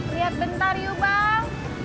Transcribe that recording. lihat bentar yuk bang